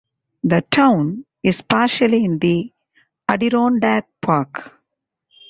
The town is partially in the Adirondack Park.